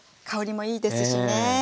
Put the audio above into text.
香りもいいですしね